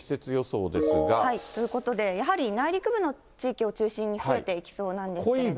ということで、やはり内陸部の地域を中心に増えていきそうなんですね。